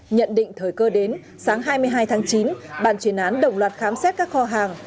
nhận định thời cơ đến sáng hai mươi hai tháng chín bàn chuyển án đồng loạt khám xét các kho hàng